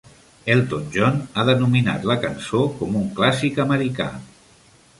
Elton John ha denominat la cançó com un clàssic americà.